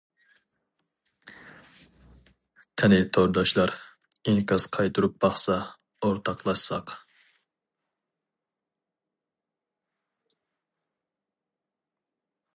قىنى تورداشلار: ئىنكاس قايتۇرۇپ باقسا، ئورتاقلاشساق.